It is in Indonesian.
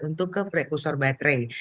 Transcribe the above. untuk ke prekursor baterai